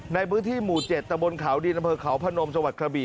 ในบริธีหมู่เจ็ดตะบนนเขาดีนอเฟิร์ดเขาผนมสวรรคบี